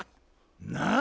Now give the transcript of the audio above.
なあ？